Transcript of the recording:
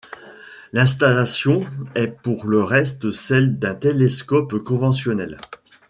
L'installation est pour le reste celle d'un télescope conventionnel.